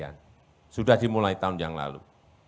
kami sudah meneresnya secara hukumkan sekali